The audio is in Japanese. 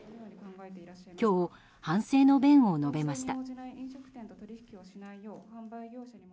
今日、反省の弁を述べました。